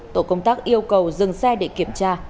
tổ công tác yêu cầu dừng xe để kiểm tra